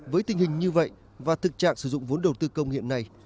với tình hình như vậy và thực trạng sử dụng vốn đầu tư công hiện nay